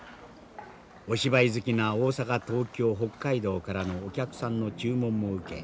お芝居好きな大阪東京北海道からのお客さんの注文も受け